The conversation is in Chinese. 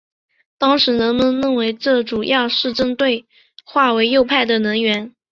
当时人们认为这主要是针对划为右派的人员。